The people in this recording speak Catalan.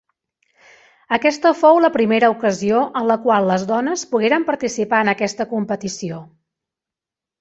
Aquesta fou la primera ocasió en la qual les dones pogueren participar en aquesta competició.